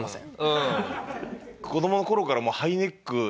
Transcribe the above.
うん。